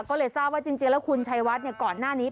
ก็เลยทราบว่าจริงแล้วคุณชัยวัดก่อนหน้านี้